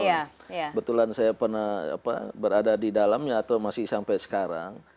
kebetulan saya pernah berada di dalamnya atau masih sampai sekarang